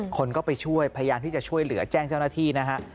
คนก็ไปช่วยพยายามที่จะช่วยเหลือแจ้งเจ้าหน้าที่นะฮะ